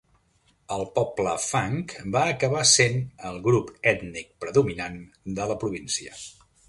El poble Fang va acabar sent el grup ètnic predominant de la província.